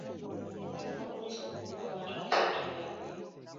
Mulimu gwa poliisi okukuuma abantu n'ebintu byabwe.